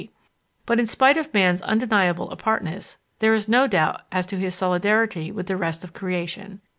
] But in spite of man's undeniable apartness, there is no doubt as to his solidarity with the rest of creation.